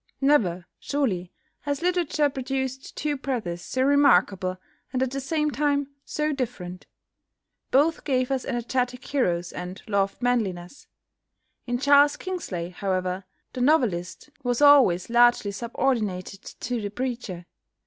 Never, surely, has literature produced two brothers so remarkable, and at the same time so different. Both gave us energetic heroes, and loved manliness. In Charles Kingsley, however, the novelist was always largely subordinated to the preacher.